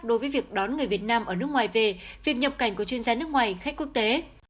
đối với việc đón người việt nam ở nước ngoài về việc nhập cảnh của chuyên gia nước ngoài khách quốc tế